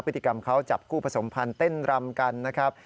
พฤติกรรมเขาจับคู่ผสมพันธ์เต้นรำกันนะครับ